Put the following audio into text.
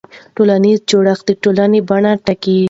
ټولنیز جوړښت د ټولنې بڼه ټاکي.